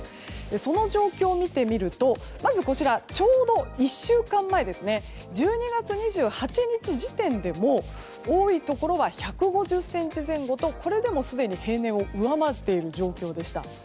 その状況を見てみるとまず、ちょうど１週間前１２月２８日時点でも多いところは１５０ｃｍ前後とこれでもすでに平年を上回っている状況でした。